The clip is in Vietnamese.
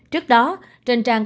trước đó trần tràng